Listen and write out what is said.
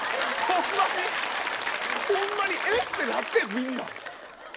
ホンマにえっ⁉てなってんみんな。